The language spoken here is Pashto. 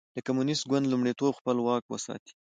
د کمونېست ګوند لومړیتوب خپل واک وساتي.